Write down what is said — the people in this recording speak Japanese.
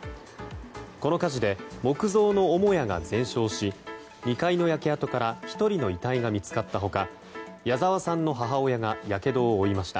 この火事で、木造の母屋が全焼し２階の焼け跡から１人の遺体が見つかった他谷沢さんの母親がやけどを負いました。